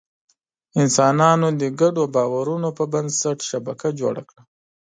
انسانانو د ګډو باورونو پر بنسټ شبکه جوړه کړه.